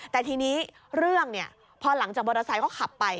แต่ทีนี้เรื่องพอหลังจากมอเตอร์ไซค์เขาขับไป